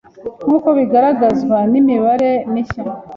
nkuko bigaragazwa n'imibare mishya